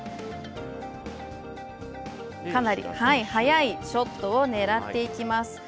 かなり速いショットを狙っていきます。